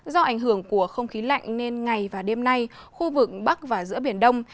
do ảnh hưởng của không khí lạnh nên ngày và đêm nay khu vực bắc và giữa biển đông